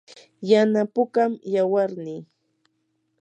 yana pukam yawarnii.